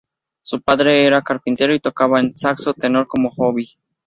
Su padre era carpintero y tocaba en saxo tenor como hobby.